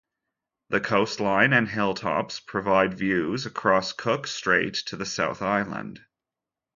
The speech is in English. The coastline and hilltops provide views across Cook Strait to the South Island.